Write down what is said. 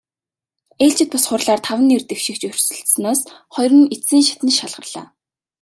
Ээлжит бус хурлаар таван нэр дэвшигч өрсөлдсөнөөс хоёр нь эцсийн шатанд шалгарлаа.